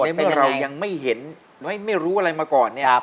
เมื่อเรายังไม่เห็นไม่รู้อะไรมาก่อนเนี่ย